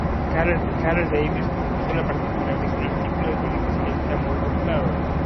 Carl Davis compuso la partitura, que es un artículo de coleccionista muy buscado.